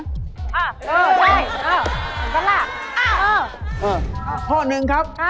เออใช่เออเหมือนกันล่ะ